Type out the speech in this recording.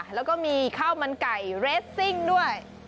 แล้วก็มีข้าวมันไก่เรสซิ่งด้วย